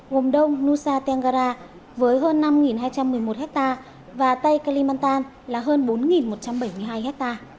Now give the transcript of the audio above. gồm đông nusa tenggara với hơn năm hai trăm một mươi một hectare và tây calimantan là hơn bốn một trăm bảy mươi hai ha